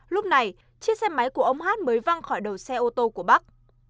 lúc này chiếc xe máy của ông hát mới văng khỏi đầu xe ô tô của bắc